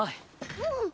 うん。